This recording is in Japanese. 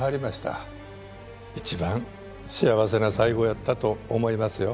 一番幸せな最期やったと思いますよ。